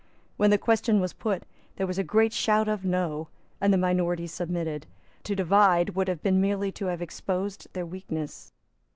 When the question was put, there was a great shout of No, and the minority submitted. To divide would have been merely to have exposed their weakness.